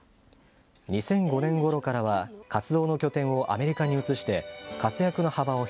２００５年ごろからは活動の拠点をアメリカに移して、活躍の幅を